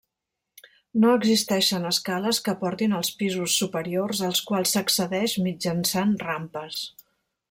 No existeixen escales que portin als pisos superiors als quals s'accedeix mitjançant rampes.